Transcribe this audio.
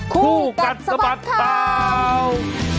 คู่กัดสะบัดข่าว